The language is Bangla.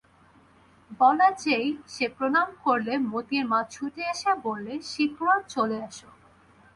বলে যেই সে প্রণাম করলে মোতির মা ছুটে এসে বললে, শীঘ্র চলে এসো।